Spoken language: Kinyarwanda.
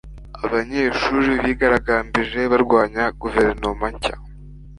abanyeshuri bigaragambije barwanya guverinoma nshya